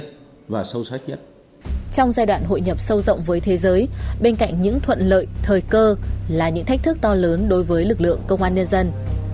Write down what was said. trong giai đoạn hội nhập sâu rộng với thế giới bên cạnh những thuận lợi thời cơ là những thách thức to lớn đối với lực lượng công an nhân dân